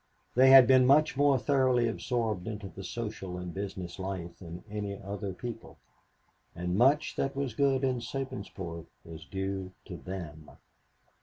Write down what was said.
They had been much more thoroughly absorbed into the social and business life than any other people, and much that was good in Sabinsport was due to them.